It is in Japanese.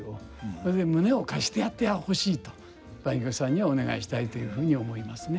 それで胸を貸してやってほしいと梅玉さんにはお願いしたいというふうに思いますね。